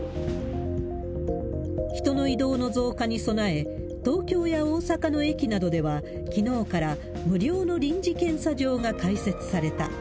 人の移動の増加に備え、東京や大阪の駅などでは、きのうから無料の臨時検査場が開設された。